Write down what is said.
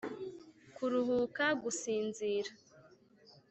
kuruhuka, gusinzira…